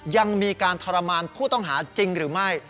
ยังมีการทรมานผู้ต้องหาจริงหรือไม่